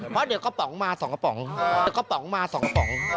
เพราะเดี๋ยวก็ปล่องเข้ามา๒กระป๋อง